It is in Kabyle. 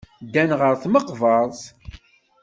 Ddan ɣer tmeqbert.